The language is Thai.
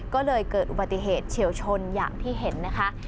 ก็เลยเกิดอุบัติเหตุเฉียวชนอย่างที่เห็นนะคะ